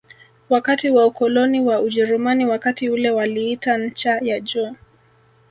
wakati wa ukoloni wa Ujerumani Wakati ule waliita ncha ya juu